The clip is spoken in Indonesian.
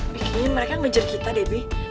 bikin mereka ngejar kita debbie